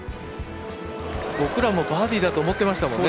僕らもバーディーだと思ってましたもんね。